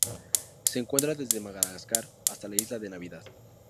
Se encuentra desde Madagascar hasta la Isla de Navidad.